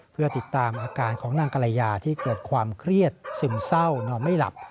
เพื่อติดตามอาการของนางกรยาที่เกิดความเครียดซึมเศร้านอนไม่หลับ